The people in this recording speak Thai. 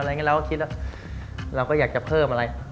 เราก็คิดว่าเราก็อยากจะเพิ่มอะไร